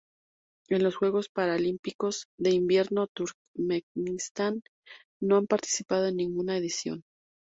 En los Juegos Paralímpicos de Invierno Turkmenistán no ha participado en ninguna edición.